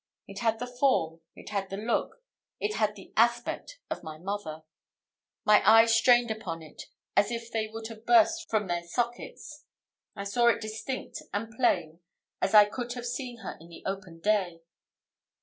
It had the form it had the look it had the aspect of my mother. My eyes strained upon it, as if they would have burst from their sockets. I saw it distinct and plain as I could have seen her in the open day.